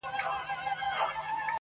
نو کوښښ وکړئ